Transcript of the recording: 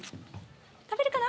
食べるかな？